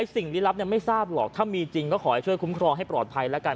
สิ่งลี้ลับไม่ทราบหรอกถ้ามีจริงก็ขอให้ช่วยคุ้มครองให้ปลอดภัยแล้วกัน